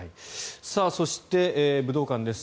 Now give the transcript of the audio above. そして、武道館です。